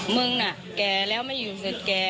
มึงน่ะแก่แล้วไม่อยู่เสร็จแก่